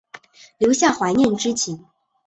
留下怀念之情